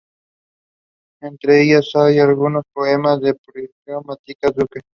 Entre ellas hay algunos poemas del propio Matías Duque.